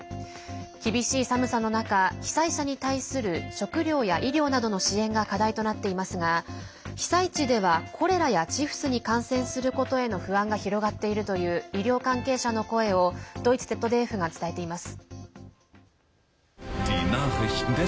厳しい寒さの中、被災者に対する食料や医療などの支援が課題となっていますが被災地ではコレラやチフスに感染することへの不安が広がっているという医療関係者の声をドイツＺＤＦが伝えています。